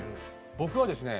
僕はですね